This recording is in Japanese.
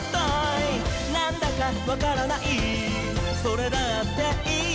「なんだかわからないそれだっていい」